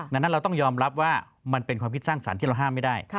ดังนั้นเราต้องยอมรับว่ามันเป็นความคิดสร้างสรรค์ที่เราห้ามไม่ได้